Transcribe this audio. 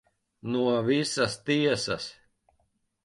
No visas tiesas.